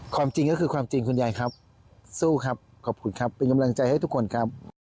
จริงก็คือความจริงคุณยายครับสู้ครับขอบคุณครับเป็นกำลังใจให้ทุกคนครับ